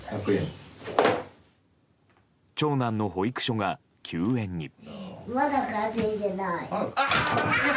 長男の保育所が休園に。